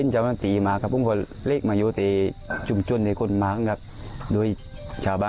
เสียแป้งไม่ได้ตัวหรอกครับ